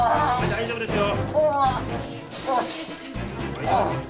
大丈夫ですよ。